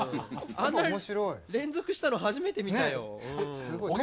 あんなに連続したの初めて見たよ。ね。